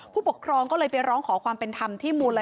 ผู้ปกครองก็เลยไปร้องขอความเป็นธรรมที่มูล